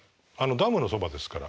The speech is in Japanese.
ダムのそばですから。